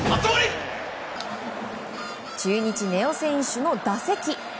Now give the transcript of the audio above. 中日、根尾選手の打席。